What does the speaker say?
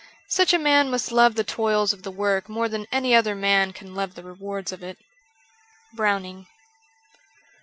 Such a man must love the toils of the work more than any other man can love the rewards of it. ' Browning.